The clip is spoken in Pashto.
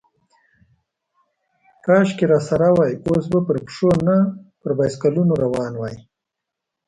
کاشکې راسره وای، اوس به پر پښو، نه پر بایسکلونو روان وای.